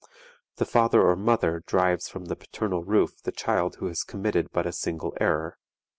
The father or mother drives from the paternal roof the child who has committed but a single error.